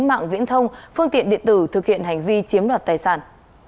mạng viễn thông phương tiện điện tử thực hiện hành vi chiếm đoạt tài sản